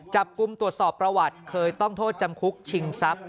จับกลุ่มตรวจสอบประวัติเคยต้องโทษจำคุกชิงทรัพย์